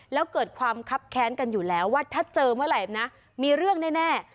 แล้วเกิดความคับแค้นกันอยู่แล้วว่าถ้าเจอเมื่อไหร่นะมีเรื่องแน่